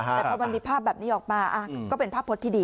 แต่พอมันมีภาพแบบนี้ออกมาก็เป็นภาพพจน์ที่ดี